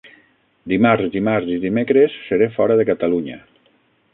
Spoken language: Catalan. Dimarts, dimarts i dimecres seré fora de Catalunya.